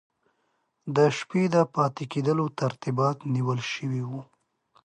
د شپې د پاته کېدلو ترتیبات نیول سوي وو.